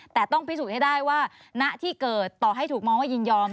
แต่ต้องพิสูจน์ให้ได้ว่าณที่เกิดต่อให้ถูกมองว่ายินยอม